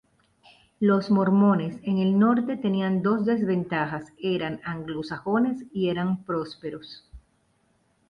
Los mormones en el norte tenían dos desventajas, eran anglosajones y eran prósperos.